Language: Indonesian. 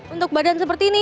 untuk badan seperti ini